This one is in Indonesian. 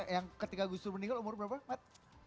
yang ketika gus dur meninggal umur berapa mat